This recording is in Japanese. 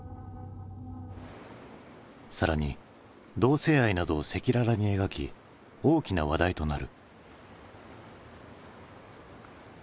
更に同性愛などを赤裸々に描き大きな話題となる。